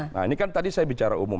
nah ini kan tadi saya bicara umum